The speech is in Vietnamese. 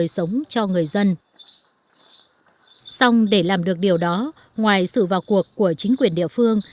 xong để làm được điều đó ngoài sự vào cuộc của chính quyền địa phương